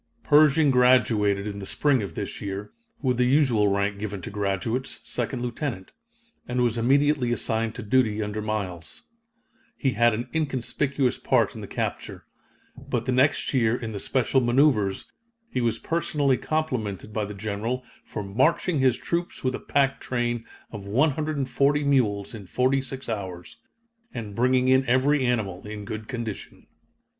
Pershing graduated in the spring of this year, with the usual rank given to graduates, second lieutenant, and was immediately assigned to duty under Miles. He had an inconspicuous part in the capture. But the next year in the special maneuvers he was personally complimented by the General for "marching his troops with a pack train of 140 mules in 46 hours and bringing in every animal in good condition."